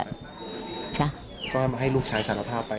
ค่ะก็ให้ลูกชายสารภาพไป